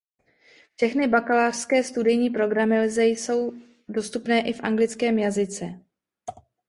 Všechny bakalářské studijní programy lze jsou dostupné i v anglickém jazyce.